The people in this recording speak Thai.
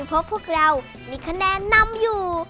เพราะพวกเรามีคะแนนนำอยู่